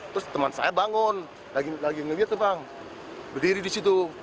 terus teman saya bangun lagi ngelihat tuh bang berdiri di situ